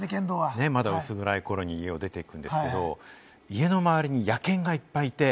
まだ薄暗い頃に家を出て行くんですけれども、家の周りに野犬がいっぱいいて。